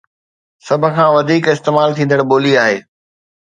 سڀ کان وڌيڪ استعمال ٿيندڙ ٻولي آهي